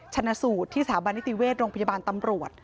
ชนะสูตรที่สถาบันนิติเวชโรงพยาบาลตำรวจ